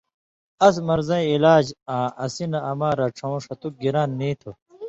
اَس مرضیں علاج آں اسی نہ اما رڇھؤں ݜتُک گِران نی تُھو۔